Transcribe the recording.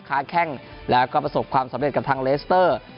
ค้าแข้งและพยายามประสบความสำเร็จกับทางเลสเตอร์